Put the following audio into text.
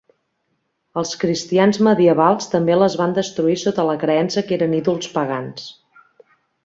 Els cristians medievals també les van destruir sota la creença que eren ídols pagans.